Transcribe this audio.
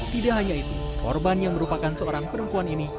tidak hanya itu korban yang merupakan seorang perempuan ini